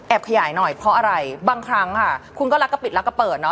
ขยายหน่อยเพราะอะไรบางครั้งค่ะคุณก็รักกะปิดรักกะเปิดเนอ